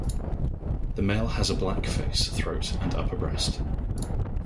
The male has a black face, throat and upper breast.